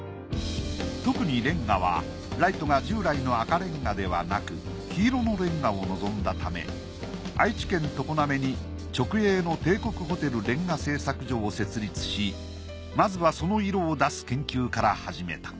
特にレンガはライトが従来の赤レンガではなく黄色のレンガを望んだため愛知県常滑に直営の帝国ホテル煉瓦製作所を設立しまずはその色を出す研究から始めた。